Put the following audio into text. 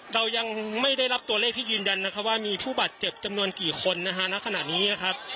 เรายังไม่ได้รับตัวเลขที่ยืนยันนะคะว่ามีผู้บาดเจ็บจำนวนกี่คนนะฮะณขณะนี้นะครับ